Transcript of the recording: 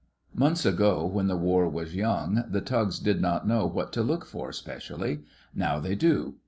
Months ago, when the war was young, the tugs did not know what to look for specially. Now they do.